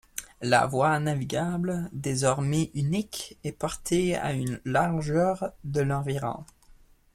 La voie navigable, désormais unique, est portée à une largeur de environ.